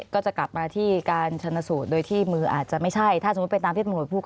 ก็จะกลับมาที่การชนสูตรโดยที่มืออาจจะไม่ใช่ถ้าสมมุติไปตามที่ตำรวจพูด